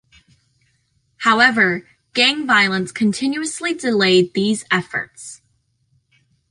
However, gang violence continuously delayed these efforts.